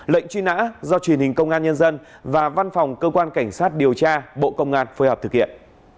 lệnh truy nã do truyền hình công an nhân dân và văn phòng cơ quan cảnh sát điều tra bộ công an phối hợp thực hiện